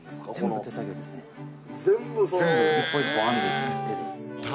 全部一本一本編んでいきます手で。